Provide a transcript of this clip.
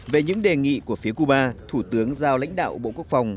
về những đề nghị của phía cuba thủ tướng giao lãnh đạo bộ quốc phòng